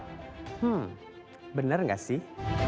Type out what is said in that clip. hmm benar nggak sih